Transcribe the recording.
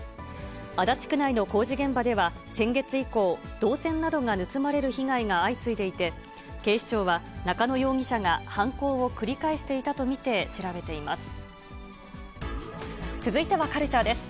足立区内の工事現場では先月以降、銅線などが盗まれる被害が相次いでいて、警視庁は、中野容疑者が犯行を繰り返していたと見て調べています。